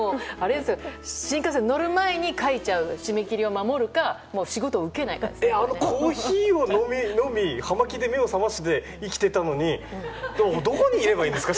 新幹線乗る前に締め切りを守って書いちゃうかコーヒーを飲み葉巻で目を覚まして生きていたのに俺はどこにいればいいんですか